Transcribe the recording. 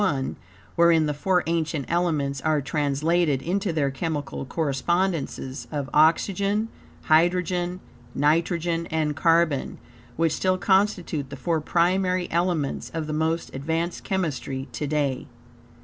I, wherein the four ancient elements are translated into their chemical correspondences of oxygen, hydrogen, nitrogen and carbon, which still constitute the four primary elements of the most advanced chemistry to day.